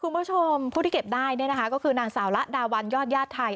คุณผู้ชมผู้ที่เก็บได้คือนางสาวระดาวัญยอดยาติไทย